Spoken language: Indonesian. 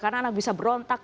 karena anak bisa berontak